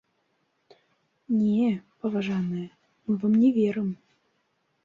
Не, паважаныя, мы вам не верым!